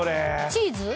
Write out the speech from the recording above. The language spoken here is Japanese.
チーズ？